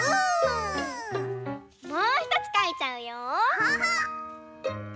もうひとつかいちゃうよ！